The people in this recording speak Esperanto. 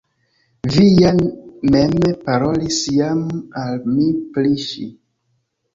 Vi ja mem parolis jam al mi pri ŝi!